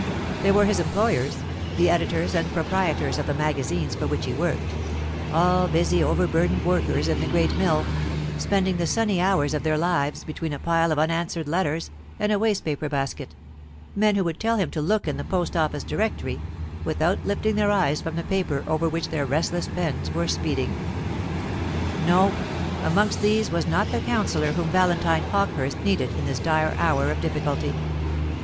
There were his employers, the editors and proprietors of the magazines for which he worked; all busy over burdened workers in the great mill, spending the sunny hours of their lives between a pile of unanswered letters and a waste paper basket; men who would tell him to look in the Post office Directory, without lifting their eyes from the paper over which their restless pens were speeding. No. Amongst these was not the counsellor whom Valentine Hawkehurst needed in this dire hour of difficulty.